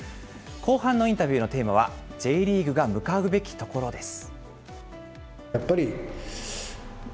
後半のインタビューのテーマは、Ｊリーグが向かうべきところです。